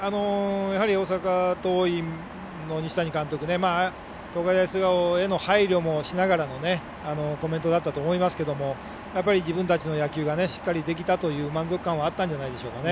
大阪桐蔭の西谷監督、東海大菅生への配慮もしながらのコメントだったと思いますけどもやっぱり自分たちの野球がしっかりできたという満足感はあったんじゃないでしょうかね。